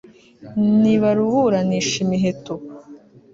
nibaruburanishe imiheto